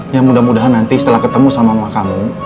ya mudah mudahan nanti setelah ketemu sama mama kamu